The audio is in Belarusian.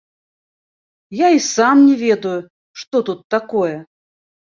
Я і сам не ведаю, што тут такое.